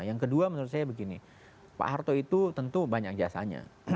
yang kedua menurut saya begini pak harto itu tentu banyak jasanya